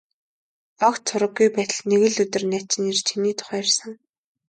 Огт сураггүй байтал нэг өдөр найз чинь ирж, чиний тухай ярьсан.